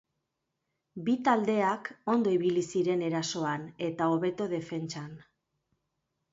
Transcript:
Bi taldeak ondo ibili ziren erasoan eta hobeto defentsan.